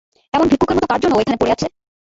এমন ভিক্ষুকের মতো কার জন্যে এখানে ও পড়ে আছে।